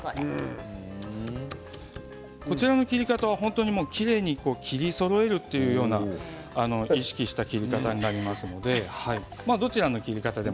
こちらの切り方はきれいに切りそろえるというような意識した切り方になりますのでどちらの切り方でも。